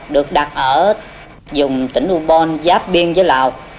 được đặt ở dùng tỉnh ubon giáp biên với lào